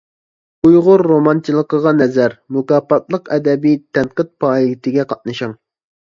«ئۇيغۇر رومانچىلىقىغا نەزەر» مۇكاپاتلىق ئەدەبىي تەنقىد پائالىيىتىگە قاتنىشىڭ!